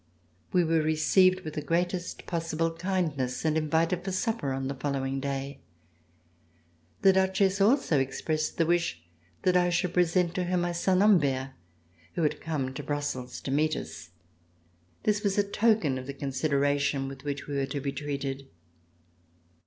We were received with the great est possible kindness and invited for supper on the following day. The Duchesse also expressed the wish that I should present to her my son, Humbert, who had come to Brussels to meet us. This was a token of the consideration with which we were to be treated.